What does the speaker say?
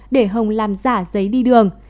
để hồng làm giả giấy đi đường